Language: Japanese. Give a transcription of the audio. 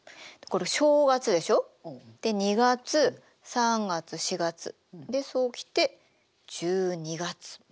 これ正月でしょで２月３月４月でそう来て１２月。